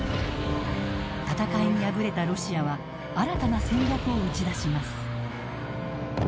戦いに敗れたロシアは新たな戦略を打ち出します。